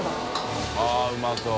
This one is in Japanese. ◆舛うまそう。